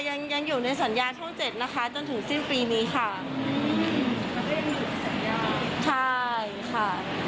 ยังยังอยู่ในสัญญาช่องเจ็ดนะคะจนถึงสิ้นปีนี้ค่ะใช่ค่ะ